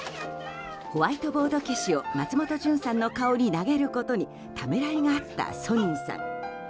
ホワイドボード消しを松本潤さんの顔に投げることにためらいがあったソニンさん。